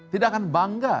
tidak akan bangga